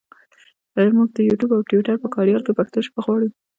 مونږ د یوټوپ او ټویټر په کاریال کې پښتو ژبه غواړو.